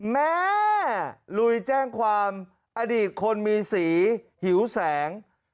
แม่ลุยแจ้งความอดีตคนมีสีหิวแสง